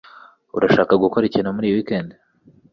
Urashaka gukora ikintu muri iyi weekend?